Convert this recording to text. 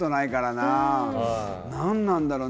なんなんだろう？